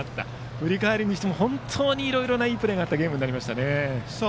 振り返るにしても本当に、いろいろないいプレーがあったゲームになりましたね。